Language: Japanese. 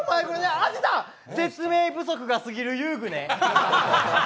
出た、説明不足が過ぎる遊具ね